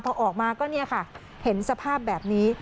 พอออกมาก็เนี่ยค่ะเห็นสภาพแบบนี้